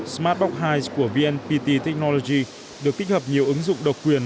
smart box hai của vnpt technology được kích hợp nhiều ứng dụng độc quyền